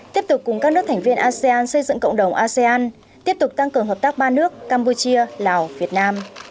tiếp tục cùng các nước thành viên asean xây dựng cộng đồng asean tiếp tục tăng cường hợp tác ba nước campuchia lào việt nam